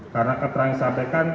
karena keterangan yang disampaikan